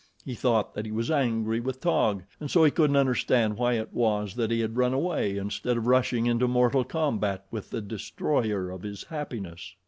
He thought that he was angry with Taug, and so he couldn't understand why it was that he had run away instead of rushing into mortal combat with the destroyer of his happiness.